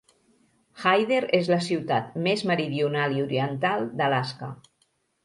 Hyder és la ciutat més meridional i oriental d'Alaska.